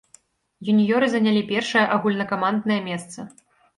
Юніёры занялі першае агульнакаманднае месца.